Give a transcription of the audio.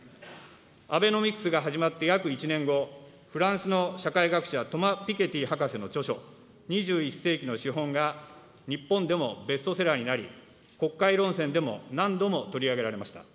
アベノミクスが始まって約１年後、フランスの社会学者、トマ・ピケティ博士の著書、２１世紀の資本が、日本でもベストセラーになり、国会論戦でも何度も取り上げられました。